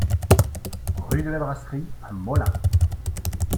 Rue de la Brasserie à Molain